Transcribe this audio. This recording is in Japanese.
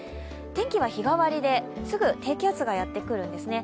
天気は日替わりで、すぐ低気圧がやってくるんですね。